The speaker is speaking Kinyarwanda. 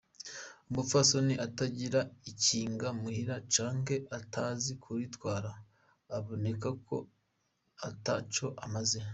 "Umupfasoni atagira ikinga muhira canke atazi kuritwara aboneka ko ata co amaze.